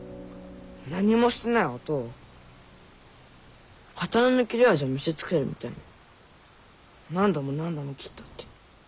何もしてないおとうを刀の切れ味を見せつけるみたいに何度も何度も斬ったって。